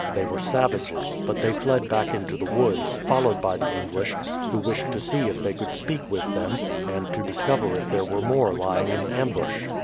They were savages; but they fled back in^o the woods, followed by the English, who wished to see if they could speak with them, and to discover if there were more lying in amxbush.